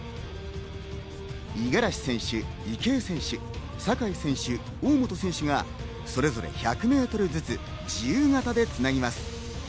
五十嵐選手、池江選手、酒井選手、大本選手がそれぞれ１００ｍずつ自由形でつなぎます。